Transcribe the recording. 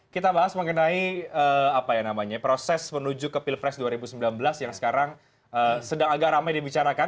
kita bahas mengenai proses menuju ke pilpres dua ribu sembilan belas yang sekarang sedang agak ramai dibicarakan